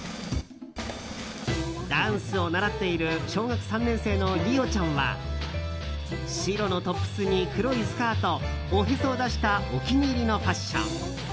ダンスを習っている小学３年生のりおちゃんは白のトップスに黒いスカートおへそ出したお気に入りのファッション。